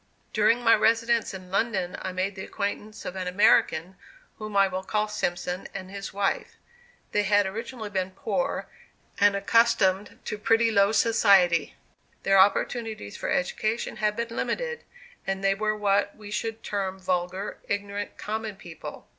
During my residence in London I made the acquaintance of an American, whom I will call Simpson, and his wife. They had originally been poor, and accustomed to pretty low society. Their opportunities for education had been limited, and they were what we should term vulgar, ignorant, common people.